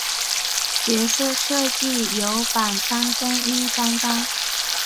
角色设计由板仓耕一担当。